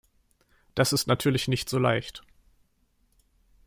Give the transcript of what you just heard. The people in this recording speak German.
Das ist natürlich nicht so leicht.